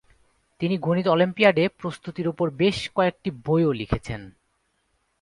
তিনি গণিত অলিম্পিয়াডে প্রস্তুতির ওপর বেশ কয়েকটি বইও লিখেছেন।